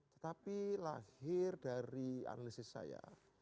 tetapi lahir dari analisis saya